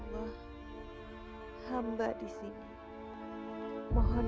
mas kamu mau tanya apa sih